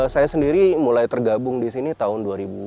saya sendiri mulai tergabung disini tahun dua ribu tiga